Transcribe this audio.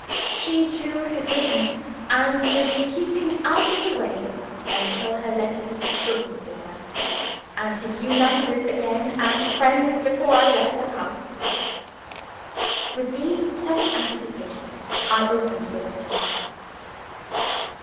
She too had written and was keeping out of the way until her letter had spoken for her, and had united us again as friends before I left the house. With these pleasant anticipations, I opened the letter.